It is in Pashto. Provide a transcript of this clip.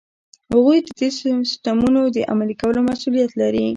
هغوی ددې سیسټمونو د عملي کولو مسؤلیت لري.